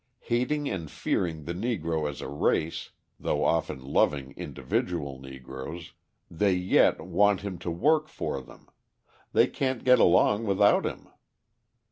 Hating and fearing the Negro as a race (though often loving individual Negroes), they yet want him to work for them; they can't get along without him.